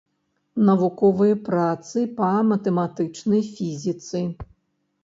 Навуковыя працы па матэматычнай фізіцы.